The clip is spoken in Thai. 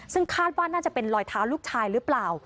ซึ่งคาดว่าน่าจะเป็นรอยเท้าลูกชายหรือเปล่า